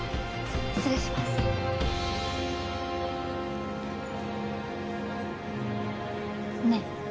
失礼しますねえ